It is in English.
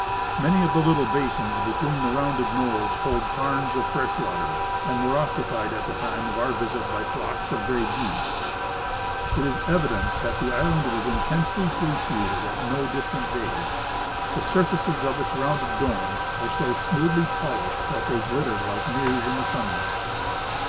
Many of the little basins between the rounded knolls hold tarns of fresh water, and were occupied at the time of our visit by flocks of gray geese. It is evident that the island was intensely glaciated at no distant da.j. The sui'faces of its rounded domes are so smoothly polished that they glitter like mirrors in the sunlight.